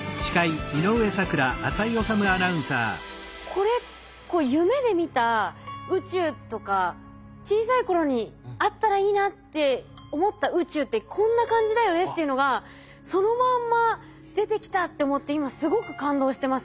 これ夢で見た宇宙とか小さい頃にあったらいいなって思った宇宙ってこんな感じだよねっていうのがそのまんま出てきたって思って今すごく感動してます。